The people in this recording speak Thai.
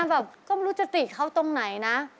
แบบก็ไม่รู้จะติเขาตรงไหนนะ